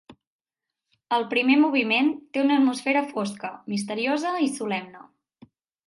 El primer moviment té una atmosfera fosca, misteriosa i solemne.